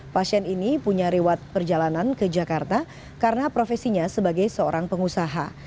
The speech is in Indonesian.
pasien ini punya rewat perjalanan ke jakarta karena profesinya sebagai seorang pengusaha